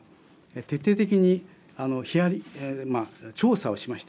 徹底的に調査をしました。